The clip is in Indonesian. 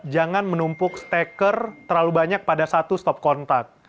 jangan menumpuk steker terlalu banyak pada satu stop kontak